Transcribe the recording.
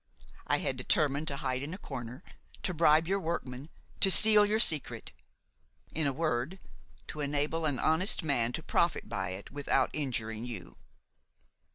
I had determined to hide in a corner; to bribe your workmen, to steal your secret,–in a word, to enable an honest man to profit by it without injuring you.